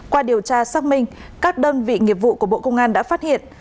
qua điều tra xác minh các đơn vị nghiệp vụ của bộ công an đã phát hiện